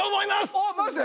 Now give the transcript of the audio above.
おっマジで？